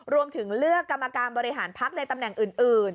รวมถึงเลือกกรรมการบริหารพักในตำแหน่งอื่น